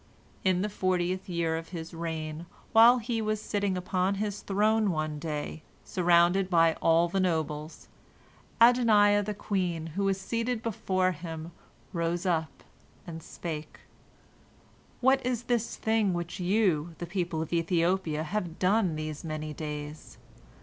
In the fortieth year of his reign, while he was sitting upon his throne one day, surrounded by all the nobles, Adoniah the queen, who was seated before him, rose up, and spake: "What is this thing which you, the people of Ethiopia, have done these many days?